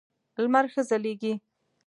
لمر ښه ځلېږي .